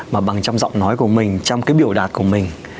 mà bằng trong giọng nói của mình trong cái biểu đạt của mình